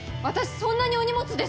そんなにお荷物ですか！？